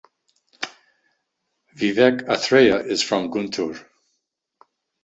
Vivek Athreya is from Guntur.